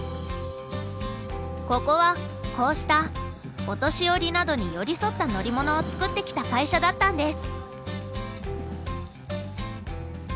ここはこうしたお年寄りなどに寄り添った乗り物を作ってきた会社だったんです。